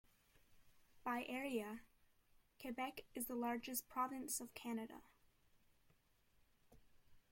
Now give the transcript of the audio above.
By area, Quebec is the largest province of Canada.